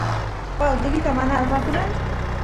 waa utulita mana armakunan